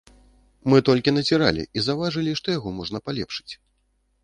Мы толькі назіралі і заўважылі, што яго можна палепшыць.